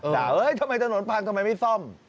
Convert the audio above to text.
เฮ้ยทำไมถนนพังทำไมไม่ซ่อม